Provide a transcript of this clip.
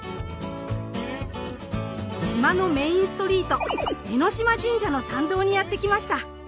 島のメインストリート江島神社の参道にやって来ました。